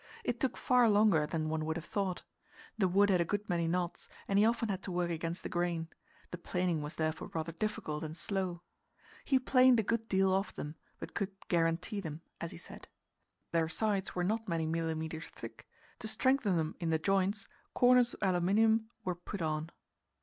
It took far longer than one would have thought. The wood had a good many knots, and he often had to work against the grain; the planing was therefore rather difficult and slow. He planed a good deal off them, but could "guarantee them," as he said. Their sides were not many millimetres thick; to strengthen them in the joints, corners of aluminium were put on.